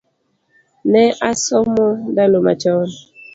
Ne asomo ndalo machon